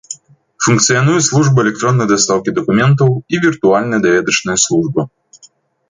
Функцыянуе служба электроннай дастаўкі дакументаў і віртуальная даведачная служба.